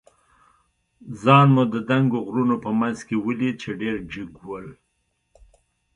ځان مو د دنګو غرونو په منځ کې ولید، چې ډېر جګ ول.